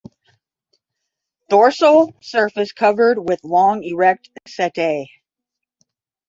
Dorsal surface covered with long erect setae.